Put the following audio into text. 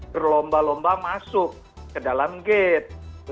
berlomba lomba masuk ke dalam gate